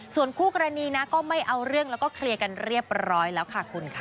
ส่วนคู่กรณีนะก็ไม่เอาเรื่องแล้วก็เคลียร์กันเรียบร้อยแล้วค่ะคุณค่ะ